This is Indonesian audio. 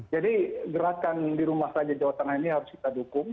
jadi gerakan di rumah saja jawa tengah ini harus kita dukung